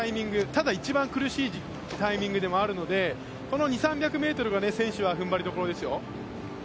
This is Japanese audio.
ただ一番苦しいタイミングでもあるのでこの２３００ｍは選手は踏ん張りどころですよ。